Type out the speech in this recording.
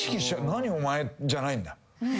「何お前」じゃないんだ。